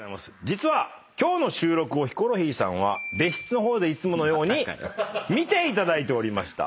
実は今日の収録をヒコロヒーさんは別室の方でいつものように見ていただいておりました。